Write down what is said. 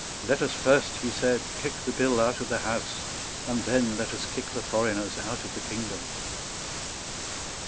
"Let us first," he said, "kick the bill out of the House; and then let us kick the foreigners out of the kingdom."